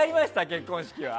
結婚式は。